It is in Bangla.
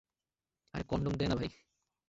আরে কনডম দে না, ভাই!